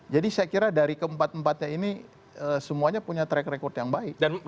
jadi saya kira dari keempat empatnya ini semuanya punya track record yang baik